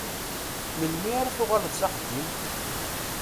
Melmi ara tuɣaleḍ s axeddim?